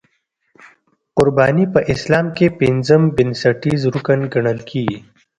قرباني په اسلام کې پنځم بنسټیز رکن ګڼل کېږي.